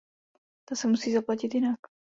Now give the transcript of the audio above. Ta se musí zaplatit jinak.